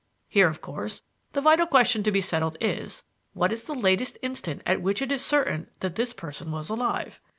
"Here, of course, the vital question to be settled is, what is the latest instant at which it is certain that this person was alive?